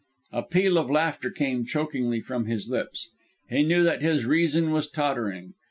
A peal of laughter came chokingly from his lips; he knew that his reason was tottering.